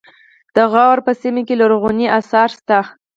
د غور په سیمه کې لرغوني اثار شته